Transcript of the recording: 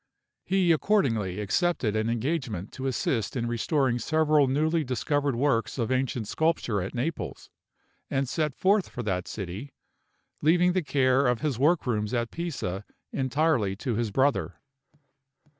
He accordingly accepted an engagement to assist in restoring several newly discovered works of ancient sculpture at Naples, and set forth for that city, leaving the care of his work rooms at Pisa entirely to his brother.